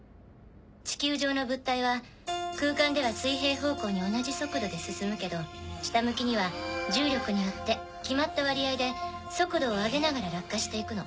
地球上の物体は空間では水平方向に同じ速度で進むけど下向きには重力によって決まった割合で速度を上げながら落下していくの。